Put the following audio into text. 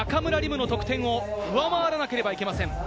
夢の得点を上回らなければいけません。